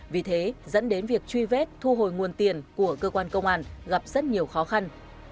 vì thế dẫn đến việc truy vết thu hồi nguồn tiền của cơ quan công an gặp rất nhiều khó khăn